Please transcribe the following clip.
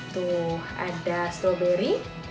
tuh ada strawberry